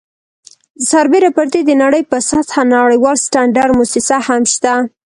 سربیره پر دې د نړۍ په سطحه نړیواله سټنډرډ مؤسسه هم شته.